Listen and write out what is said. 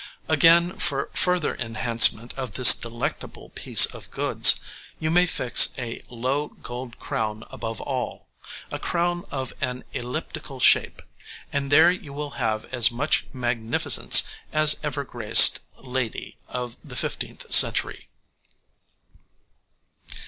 Again, for further enhancement of this delectable piece of goods, you may fix a low gold crown above all a crown of an elliptical shape and there you will have as much magnificence as ever graced lady of the fifteenth century.